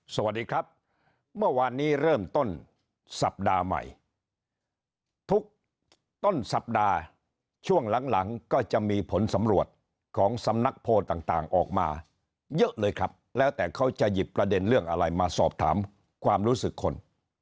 สวัสดีครับเมื่อวานนี้เริ่มต้นสัปดาห์ใหม่ทุกต้นสัปดาห์ช่วงหลังหลังก็จะมีผลสำรวจของสำนักโพลต่างออกมาเยอะเลยครับแล้วแต่เขาจะหยิบประเด็นเรื่องอะไรมาสอบถามความรู้สึกคน